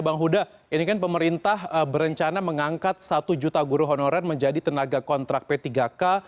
bang huda ini kan pemerintah berencana mengangkat satu juta guru honorer menjadi tenaga kontrak p tiga k